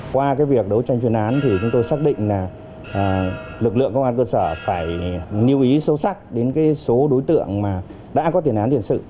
qua cái việc đấu tranh chuyển án thì chúng tôi xác định là lực lượng công an cơ sở phải nhu ý sâu sắc đến cái số đối tượng mà đã có chuyển án chuyển sự